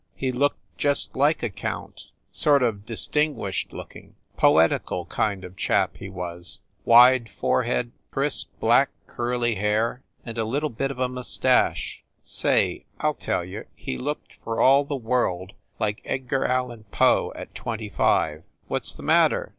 He looked just like a count sort of distinguished looking, poetical kind of chap, he was. Wide fore head, crisp black curly hair, and a little bit of a mustache say, I ll tell you! He looked for all the world like Edgar Allan Poe, at twenty five. What s the matter?